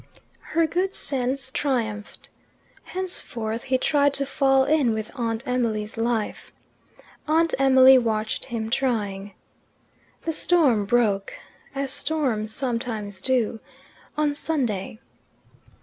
Her good sense triumphed. Henceforth he tried to fall in with Aunt Emily's life. Aunt Emily watched him trying. The storm broke, as storms sometimes do, on Sunday.